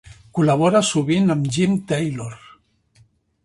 Col·labora sovint amb Jim Taylor.